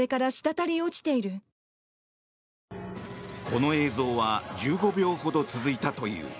この映像は１５秒ほど続いたという。